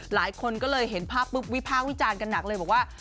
หลายคนก็เลยเห็นภาพปุ๊บวิพากษ์วิจารณ์กันหนักเลยบอกว่า